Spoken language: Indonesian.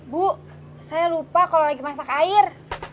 bu saya lupa kalau lagi masak air